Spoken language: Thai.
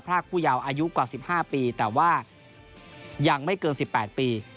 รากผู้ยาวอายุกว่า๑๕ปีแต่ว่ายังไม่เกิน๑๘ปี